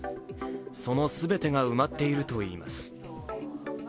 その全てが埋まっているといいます。